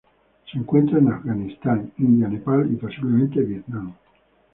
Se encuentra en Afganistán, India Nepal y, posiblemente, Vietnam.